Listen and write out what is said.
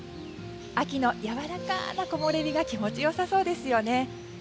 秋のやわらかな木漏れ日が気持ちよさそうですよね。